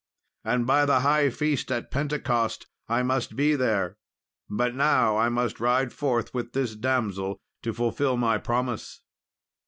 And by the high feast at Pentecost I must be there; but now I must ride forth with this damsel to fulfil my promise."